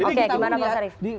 oke gimana pak sarif